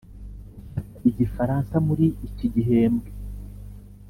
mfata igifaransa muri iki gihembwe.